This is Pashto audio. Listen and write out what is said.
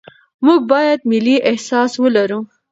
موږ باید ملي احساس ولرو.